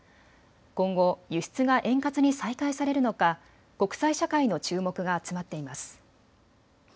今後、輸出が円滑に再開されるのか国際社会の注目が集まっています。